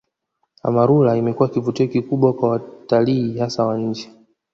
Amarula imekuwa kivutio kikubwa kwa watalii hasa wa nje